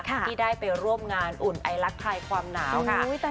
ที่ได้ไปร่วมงานอุ่นไอลักษายความหนาวค่ะ